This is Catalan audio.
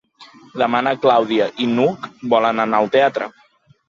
Demà na Clàudia i n'Hug volen anar al teatre.